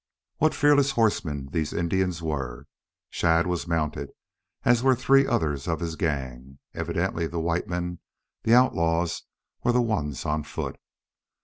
What fearless horsemen these Indians were! Shadd was mounted, as were three others of his gang. Evidently the white men, the outlaws, were the ones on foot.